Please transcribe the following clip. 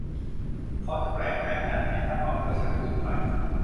เขาจะแปลกใจขนาดไหนถ้าเขารู้ว่าฉันคือใคร